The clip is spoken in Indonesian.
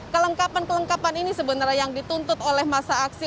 kelengkapan kelengkapan ini sebenarnya yang dituntut oleh masa aksi